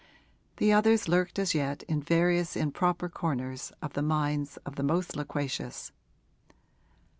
The others lurked as yet in various improper corners of the minds of the most loquacious.